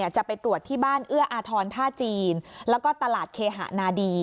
จะไปตรวจที่บ้านเอื้ออาทรท่าจีนแล้วก็ตลาดเคหะนาดี